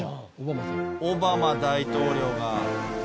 オバマ大統領が。